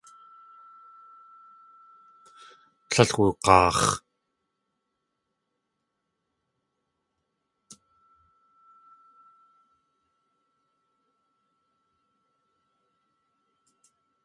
Tlél wug̲aax̲.